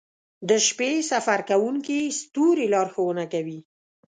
• د شپې سفر کوونکي ستوري لارښونه کوي.